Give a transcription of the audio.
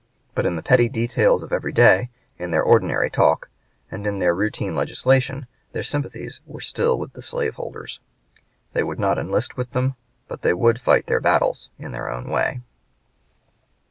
But in the petty details of every day, in their ordinary talk, and in their routine legislation, their sympathies were still with the slave holders. They would not enlist with them, but they would fight their battles in their own way.